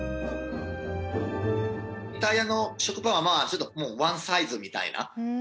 イタリアの食パンはまあもうワンサイズみたいな。